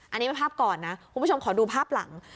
อันนี้เป็นภาพก่อนนะคุณผู้ชมขอดูภาพหลัง